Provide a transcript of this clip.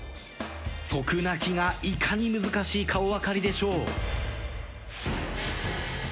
即泣きがいかに難しいかお分かりでしょう。